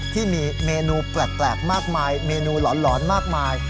ที่มีเมนูแปลกมากมายเมนูหลอนมากมาย